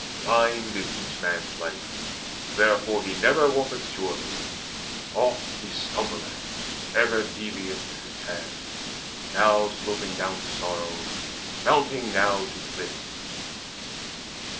Blind is each man's life; Therefore he never walketh surely; oft He stumbleth: ever devious is his path, Now sloping down to sorrow, mounting now To bliss.